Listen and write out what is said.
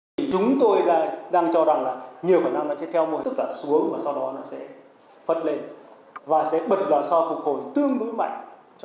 nền kinh tế việt nam sẽ theo mô hình xuống và sau đó nó sẽ phất lên và sẽ bật ra so phục hồi tương đối mạnh